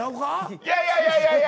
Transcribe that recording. いやいやいやいや。